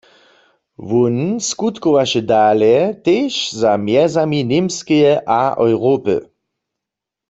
Wón skutkowaše dale, tež za mjezami Němskeje a Europy.